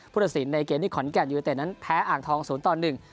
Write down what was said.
ผู้รสินในเกณฑ์ที่ขอนแก่นอยู่ในเต็ดนั้นแพ้อ่างทอง๐๑